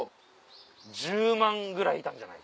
１０万ぐらいいたんじゃないか。